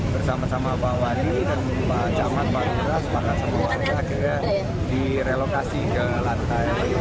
bersama sama pak wadi dan pak cak mat pak geras pak kasem pak wadi akhirnya direlokasi ke lantai dua puluh satu